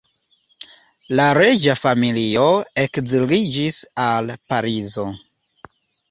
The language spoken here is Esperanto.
La reĝa familio ekziliĝis al Parizo.